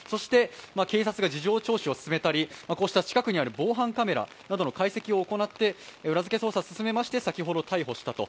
警察が事情聴取を進めたり、近くにある防犯カメラの解析を行って、裏づけ捜査を進めまして先ほど逮捕したと。